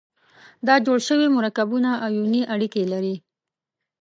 دا جوړ شوي مرکبونه آیوني اړیکې لري.